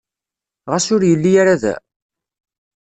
Ɣas ur yelli ara da?